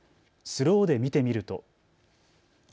スローで見てみると。